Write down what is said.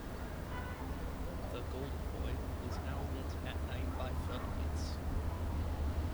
The Golden Boy is now lit at night by floodlights.